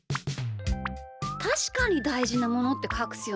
たしかにたいじなものってかくすよね。